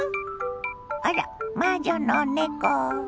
あらっ魔女の猫。